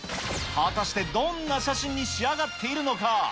果たしてどんな写真に仕上がっているのか。